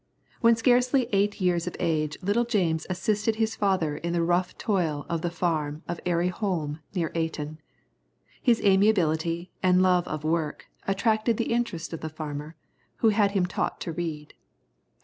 When scarcely eight years of age little James assisted his father in the rough toil of the farm of Airy Holme, near Ayton. His amiability, and love of work, attracted the interest of the farmer, who had him taught to read.